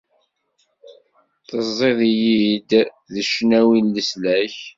Tezziḍ-iyi-d s ccnawi n leslak.